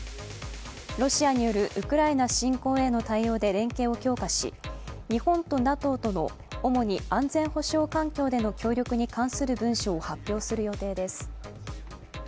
ロシアによるウクライナ侵攻への対応で連携を強化し、日本とＮＡＴＯとの主に安全保障環境での協力に関する文書を発表する予定です。